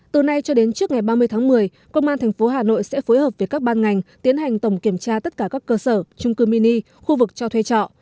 từ nay cho đến trước ngày ba mươi tháng một mươi công an tp hà nội sẽ phối hợp với các ban ngành tiến hành tổng kiểm tra tất cả các cơ sở trung cư mini khu vực cho thuê trọ